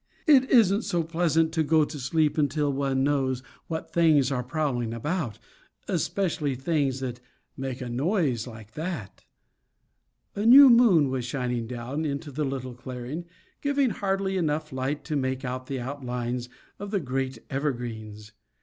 It isn't so pleasant to go to sleep until one knows what things are prowling about, especially things that make a noise like that. A new moon was shining down into the little clearing, giving hardly enough light to make out the outlines of the great evergreens.